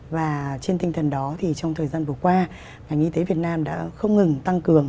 và trên tinh thần đó thì trong thời gian vừa qua ngành y tế việt nam đã không ngừng tăng cường